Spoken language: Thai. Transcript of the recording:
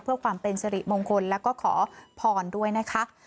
เพื่อความเป็นสิริมงคลและก็ขอผ่อนด้วยนะครับ